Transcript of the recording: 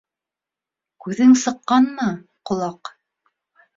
Күҙең сыҡҡанмы, ҡолаҡ!